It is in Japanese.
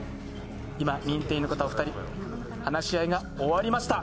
今認定員の方お二人話し合いが終わりました。